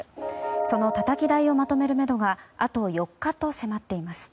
そのたたき台をまとめるめどがあと４日と迫っています。